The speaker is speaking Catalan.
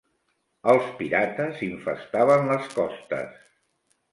Els pirates infestaven les costes.